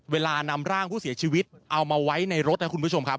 นำร่างผู้เสียชีวิตเอามาไว้ในรถนะคุณผู้ชมครับ